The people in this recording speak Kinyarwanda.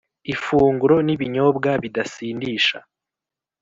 ifunguro n ibinyobwa bidasindisha